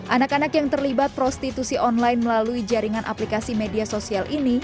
anak anak yang terlibat prostitusi online melalui jaringan aplikasi media sosial ini